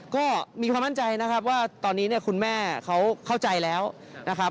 ก็มีความมั่นใจนะครับว่าตอนนี้เนี่ยคุณแม่เขาเข้าใจแล้วนะครับ